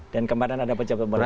dan kemarin ada pecah pemerintah